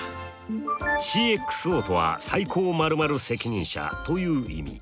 ＣｘＯとは最高○○責任者という意味。